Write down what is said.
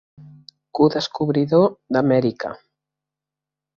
Codescobridor d'Amèrica.